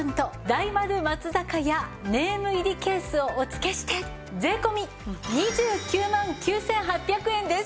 大丸松坂屋ネーム入りケースをお付けして税込２９万９８００円です。